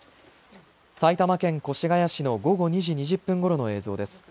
埼玉県越谷市の午後２時２０分ごろの映像です。